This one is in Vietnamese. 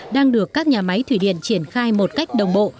đang được các nhà máy thủy điện triển khai một cách đồng bộ